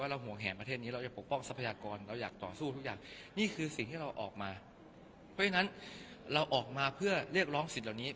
เรารู้สึกว่าเราจึงหัวแหแหนประเทศนี้